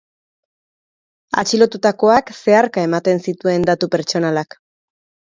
Atxilotutakoak zeharka ematen zituen datu pertsonalak.